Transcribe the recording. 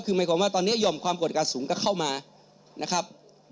คือหมายความว่าตอนนี้หย่อมความกดอากาศสูงก็เข้ามานะครับ